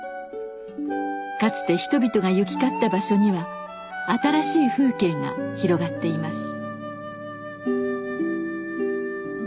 かつて人々が行き交った場所には新しい風景が広がっています。